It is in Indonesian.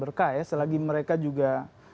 berkah ya selagi mereka juga